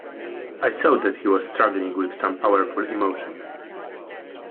I saw that he was struggling with some powerful emotion.